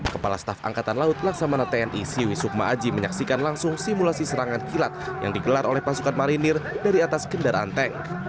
kepala staf angkatan laut laksamana tni siwi sukma aji menyaksikan langsung simulasi serangan kilat yang digelar oleh pasukan marinir dari atas kendaraan tank